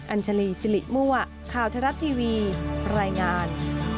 อัญชลีสิริมั่วข่าวทรัฐทีวีรายงาน